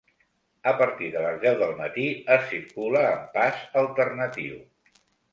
A partir de les deu del matí es circula amb pas alternatiu.